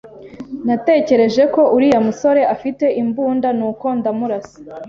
Natekereje ko uriya musore afite imbunda, nuko ndamurasa.